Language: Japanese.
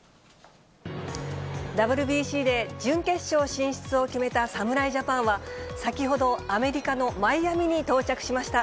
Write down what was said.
ＷＢＣで準決勝進出を決めた侍ジャパンは先ほど、アメリカのマイアミに到着しました。